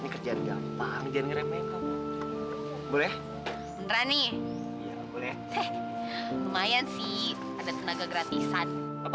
kerjaan gampang jangan ngeremeh boleh ngerani lumayan sih ada tenaga gratisan